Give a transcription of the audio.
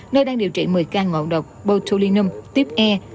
nơi đang điều trị một mươi ca ngộ độc botutulinum tiếp e